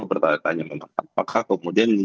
bertanya tanya memang apakah kemudian ini